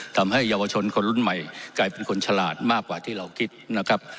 ทำให้เยาวชนคนรุ่นใหม่กลายเป็นคนฉลาดมากกว่าที่เราคิดนะครับ